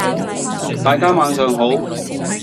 大家晚上好！